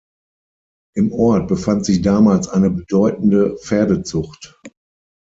Im Ort befand sich damals eine bedeutende Pferdezucht.